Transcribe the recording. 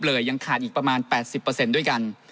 จนถึงยังขาดอีกประมาณ๘๐เปอร์เซ็นต์ด้วยกัน